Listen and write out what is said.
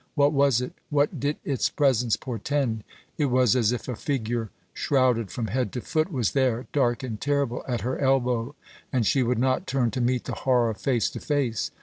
What was it? What did its presence portend? It was as if a figure, shrouded from head to foot, was there, dark and terrible, at her elbow, and she would not turn to meet the horror face to face.